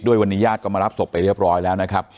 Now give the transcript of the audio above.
วันนี้ญาติก็มารับศพไปเรียบร้อยแล้วนะครับ